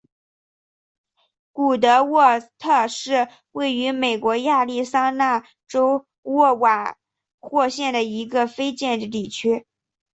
古德沃特是位于美国亚利桑那州纳瓦霍县的一个非建制地区。